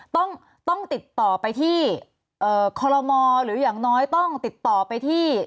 ต้องต้องติดต่อไปที่คอลโลมอหรืออย่างน้อยต้องติดต่อไปที่